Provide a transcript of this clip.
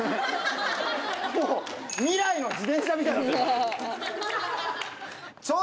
もう未来の自転車みたいになってるもん。